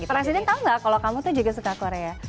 presiden tau gak kalau kamu tuh juga suka korea